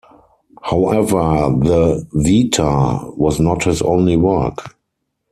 However, the "Vita" was not his only work.